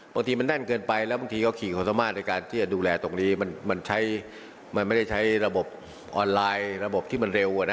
บางทีมันแน่นเกินไปแล้วบางทีก็ขี่ความสามารถในการที่จะดูแลตรงนี้มันใช้มันไม่ได้ใช้ระบบออนไลน์ระบบที่มันเร็ว